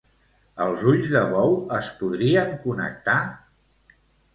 Els ulls de bou, es podrien connectar?